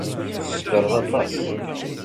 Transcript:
Tsekṛeḍ aṭas.